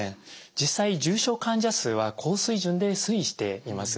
実際重症患者数は高水準で推移しています。